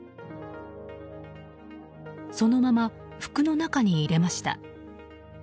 そのまま服の中に入れました。